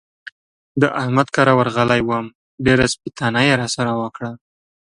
د احمد کره ورغلی وم؛ ډېره سپېتانه يې را سره وکړه.